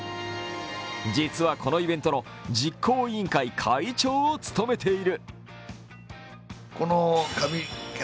実はこのイベントの実行委員会会長を務めている。